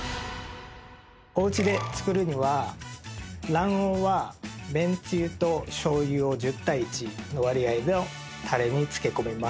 おうちで作るには卵黄はめんつゆと醤油を１０対１の割合のたれに漬け込みます。